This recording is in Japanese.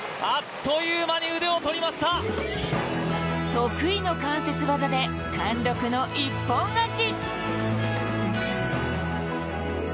得意の関節技で貫禄の一本勝ち。